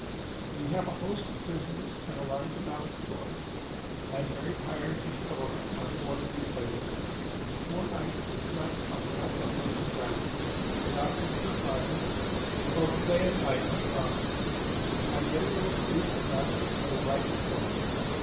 "We have a host of prisoners and a large amount of stores. I am very tired and sore from our four days' labor. Four nights we slept on the wet or frozen ground, without tents or fires, and both day and night under arms. When I get a little sleep and rest I will write you fully.